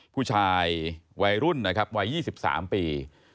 ผู้ชายวัยรุ่นนะครับวัย๒๓ปี